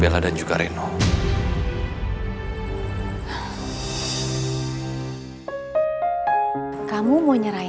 siva gak mau ketemu mama